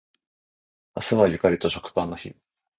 明日はゆかりと食パンの日